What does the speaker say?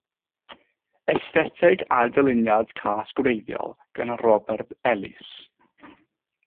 Estheteg a dyluniad cas gwreiddiol gan Robert Ellis.